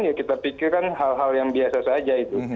ya kita pikirkan hal hal yang biasa saja itu